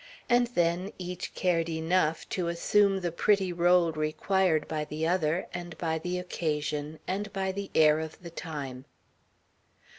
And then each cared enough to assume the pretty rôle required by the other, and by the occasion, and by the air of the time.